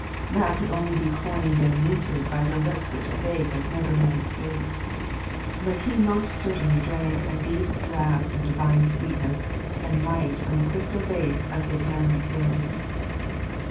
That could only be coined and minted by the lips which spake as never man spake. But he most certainly drank a deep draught of divine sweetness and light from the crystal vase of his manly purity.